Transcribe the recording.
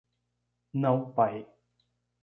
Não, pai!